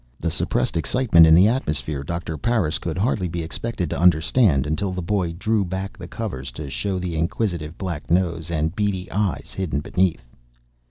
The suppressed excitement in the atmosphere Doctor Parris could hardly be expected to understand until the boy drew back the covers to show the inquisitive black nose and beady eyes hidden beneath.